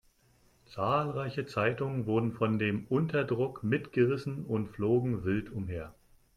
Zahlreiche Zeitungen wurden von dem Unterdruck mitgerissen und flogen wild umher.